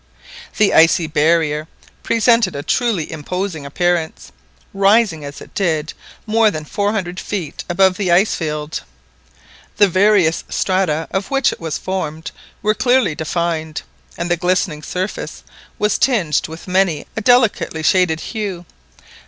The icy barrier presented a truly imposing appearance, rising as it did more than four hundred feet above the ice field. The various strata of which it was formed were clearly defined, and the glistening surface was tinged with many a delicately shaded hue.